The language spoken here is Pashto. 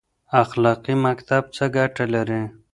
اخلاقي مکتب څه ګټه لري؟